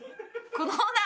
このオーナー！